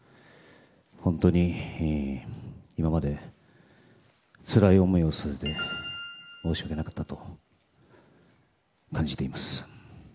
本当に今までつらい思いをさせて申し訳なかったと感じています。